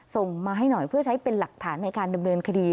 ส่งมาให้หน่อยเพื่อใช้เป็นหลักฐานในการดำเนินคดี